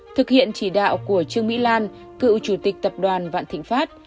thực hiện chỉ đạo của trương mỹ lan cựu chủ tịch tập đoàn vạn thịnh pháp